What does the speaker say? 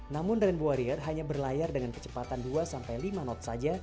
namun rain warrior hanya berlayar dengan kecepatan dua sampai lima knot saja